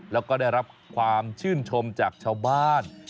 แล้วก็ได้รับความชื่นชมจากชาวบ้าน